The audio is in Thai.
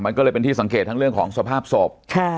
มันก็เลยเป็นที่สังเกตทั้งเรื่องของสภาพศพ